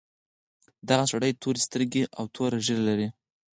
دغه سړي تورې سترګې او تور ږیره لرله.